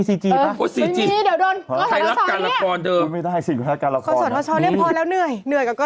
สิต้องเข้าอานข่าวแล้วไปทำกับอุย